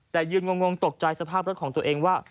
แต่ยืนงงตกใจสภาพรถของตัวเองว่า